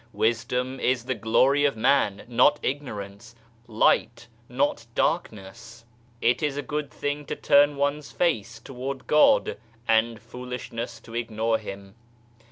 Wisdom is the glory of man, not Ignorance ; Light, not Darkness ! It is a good thing to turn one's face toward God, and foolishness to ignore Him.